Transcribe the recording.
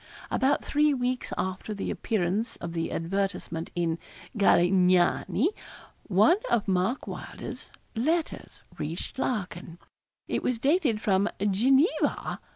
About three weeks after the appearance of the advertisement in 'Galignani,' one of Mark Wylder's letters reached Larkin. It was dated from Geneva